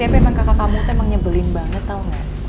ya tapi emang kakak kamu tuh emang nyebelin banget tau gak